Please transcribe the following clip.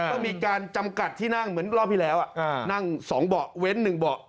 ก็มีการจำกัดที่นั่งเหมือนรอบที่แล้วนั่ง๒เบาะเว้น๑เบาะ